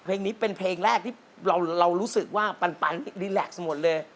เพลงนี้เป็นเพลงแรกที่เรารู้สึกว่าปันรีแล็กซ์หมดเลย